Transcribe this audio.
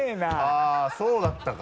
あっそうだったか。